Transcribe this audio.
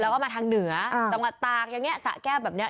แล้วก็มาทางเหนือจังหวัดตากอย่างนี้สะแก้วแบบนี้